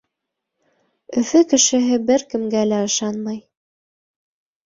Өфө кешеһе бер кемгә лә ышанмай.